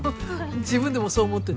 自分でもそう思ってた。